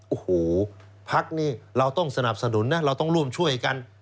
โอ้โหพักนี้เราต้องสนับสนุนนะเราต้องร่วมช่วยกัน